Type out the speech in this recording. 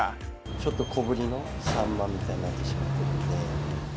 ちょっと小ぶりのサンマみたいになってしまっているので。